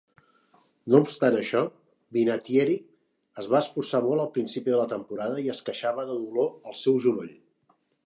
No obstant això, Vinatieri es va esforçar molt al principi de la temporada i es queixava de dolor al seu genoll.